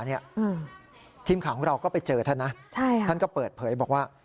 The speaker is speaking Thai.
ทีมข่าวของเราก็ไปเจอท่านนะท่านก็เปิดเผยบอกว่า